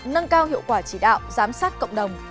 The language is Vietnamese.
nâng cao hiệu quả chỉ đạo giám sát cộng đồng